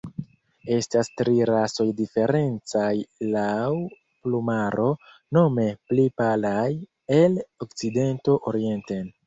Estas tri rasoj diferencaj laŭ plumaro, nome pli palaj el okcidento orienten.